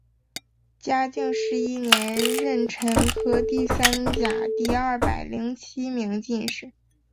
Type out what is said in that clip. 嘉靖十一年壬辰科第三甲第二百零七名进士。